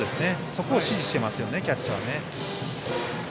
そこを指示していますキャッチャーは。